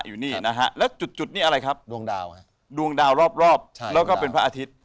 อยู่นี่นะฮะแล้วจุดนี้อะไรครับดวงดาวฮะดวงดาวรอบแล้วก็เป็นพระอาทิตย์